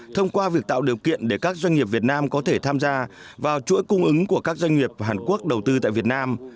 thông qua việc tạo điều kiện để các doanh nghiệp việt nam có thể tham gia vào chuỗi cung ứng của các doanh nghiệp hàn quốc đầu tư tại việt nam